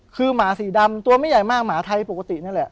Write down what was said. คือหมาสีดำตัวไม่ใหญ่มากหมาไทยปกตินั่นแหละ